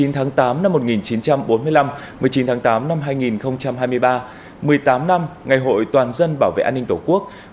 một mươi tháng tám năm một nghìn chín trăm bốn mươi năm một mươi chín tháng tám năm hai nghìn hai mươi ba một mươi tám năm ngày hội toàn dân bảo vệ an ninh tổ quốc